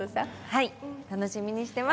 はい楽しみにしてます。